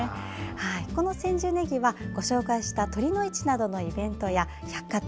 この千住ねぎは、ご紹介した酉の市などのイベントや百貨店